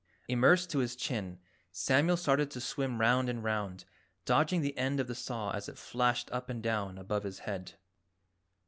Immersed to his chin, Samuel started to swim round and round, dodging the end of the saw as it flashed up and down above his head.